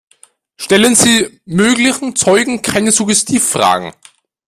Stellen Sie möglichen Zeugen keine Suggestivfragen.